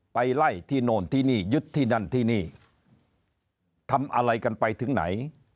ไปไล่ที่โน่นที่นี่ยึดที่นั่นที่นี่ทำอะไรกันไปถึงไหน